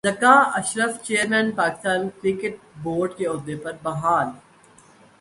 Zaka Ashraf chairman Pakistan cricket board کے عہدے پر بحال